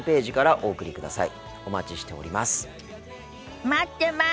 お待ちしております。